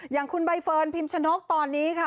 อย่างคุณใบเฟิร์นพิมชนกตอนนี้ค่ะ